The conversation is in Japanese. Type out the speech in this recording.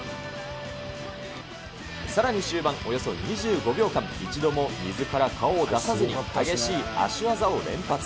さらに終盤、およそ２５秒間、一度も水から顔を出さずに激しい足技を連発。